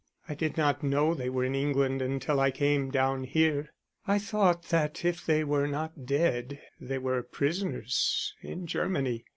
"I did not know they were in England until I came down here: I thought that if they were not dead they were prisoners in Germany.